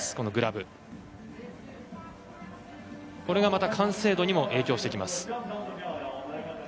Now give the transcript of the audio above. これがまた完成度にも影響してきます。